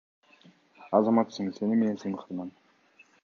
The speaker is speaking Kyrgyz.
Азаматсың, сени менен сыймыктанам.